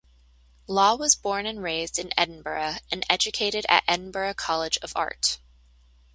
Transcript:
Law was born and raised in Edinburgh and educated at Edinburgh College of Art.